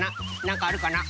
なんかあるかな？